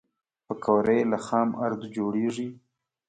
پکورې له خام آردو جوړېږي